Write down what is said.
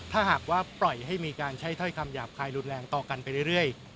ถ้าหากว่าปล่อยให้มีการใช้ถ้อยคำหยาบคายรุนแรงต่อกันไปเรื่อย